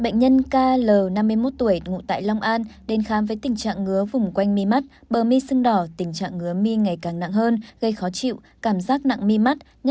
các bạn hãy đăng ký kênh để ủng hộ kênh của chúng mình nhé